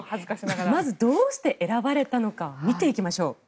まず、どうして選ばれたのか見ていきましょう